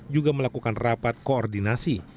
juga melakukan rapat koordinasi